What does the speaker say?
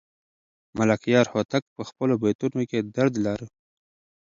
ملکیار هوتک په خپلو بیتونو کې درد لاره.